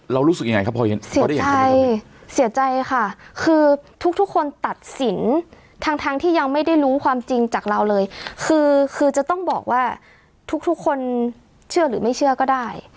รู้สึกยังไงครับพอได้เห็นใช่เสียใจค่ะคือทุกทุกคนตัดสินทั้งที่ยังไม่ได้รู้ความจริงจากเราเลยคือคือจะต้องบอกว่าทุกทุกคนเชื่อหรือไม่เชื่อก็ได้